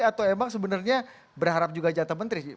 atau emang sebenarnya berharap juga jatah menteri sih